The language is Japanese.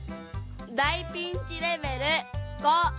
大ピンチレベル５。